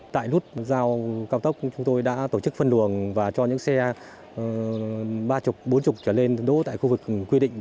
tại nút giao cao tốc chúng tôi đã tổ chức phân luồng và cho những xe ba mươi bốn mươi trở lên đỗ tại khu vực quy định